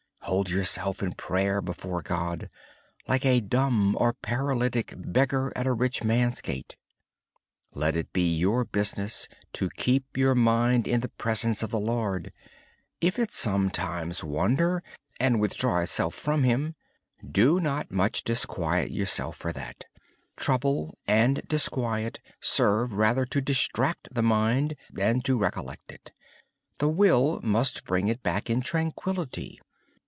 Hold yourself in prayer before God, like a dumb or paralytic beggar at a rich man's gate. Let it be your business to keep your mind in the presence of the Lord. If your mind sometimes wanders and withdraws itself from Him, do not become upset. Trouble and disquiet serve rather to distract the mind than to re collect it. The will must bring it back in tranquillity.